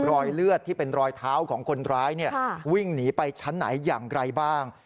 รอยเลือดที่เป็นรอยเท้าของคนร้ายวิ่งหนีไปชั้นไหนอย่างไรบ้าง